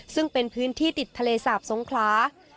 ซึ่งเป็นพื้นที่ติดทะเลสาบสงขลา